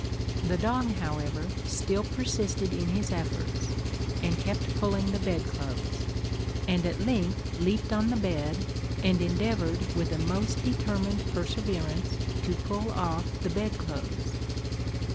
The dog, however, still persisted in his efforts, and kept pulling the bedclothes; and at length leaped on the bed, and endeavoured with the most determined perseverance to pull off the bedclothes.